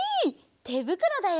てぶくろだよ！